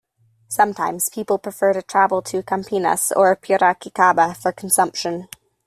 Sometimes, people prefer to travel to Campinas or Piracicaba for consumption.